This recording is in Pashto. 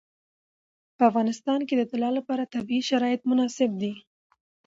په افغانستان کې د طلا لپاره طبیعي شرایط مناسب دي.